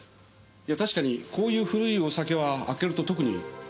いや確かにこういう古いお酒は開けると特に酸化が進みます。